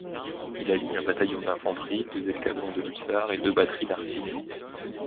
Il aligne un bataillon d'infanterie, deux escadrons de hussards et deux batteries d'artillerie.